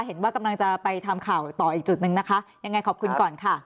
เห็นว่ากำลังจะไปทำข่าวต่ออีกจุดหนึ่งนะคะยังไงขอบคุณก่อนค่ะ